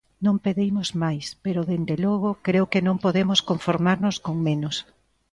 Non pedimos máis pero, dende logo, creo que non podemos conformarnos con menos.